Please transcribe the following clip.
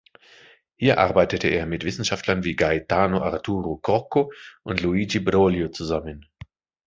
Hier arbeitete er mit Wissenschaftlern wie Gaetano Arturo Crocco und Luigi Broglio zusammen.